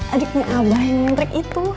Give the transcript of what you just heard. adiknya abah yang nyentrik itu